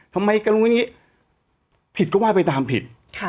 ทำไมก็รู้อย่างนี้ผิดก็ว่าไปตามผิด